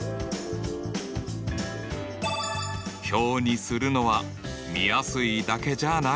表にするのは見やすいだけじゃない！